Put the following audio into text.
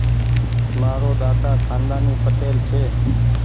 مآرو ۮاۮا کآندآني پٽيل ڇي۔